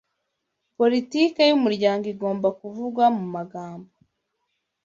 Politiki yumuryango igomba kuvugwa mumagambo